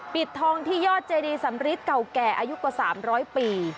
ปิดทองที่ยอดเจดีสำริทเก่าแก่อายุกว่า๓๐๐ปี